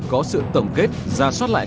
có sự tổng kết giả soát lại